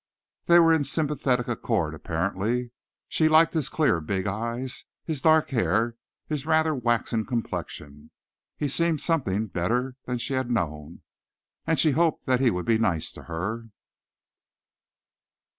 They were in sympathetic accord, apparently. She liked his clear, big eyes, his dark hair, his rather waxen complexion. He seemed something better than she had known, and she hoped that he would be nice to her.